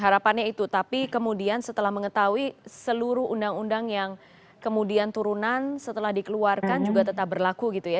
harapannya itu tapi kemudian setelah mengetahui seluruh undang undang yang kemudian turunan setelah dikeluarkan juga tetap berlaku gitu ya